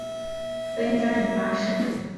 非专营巴士。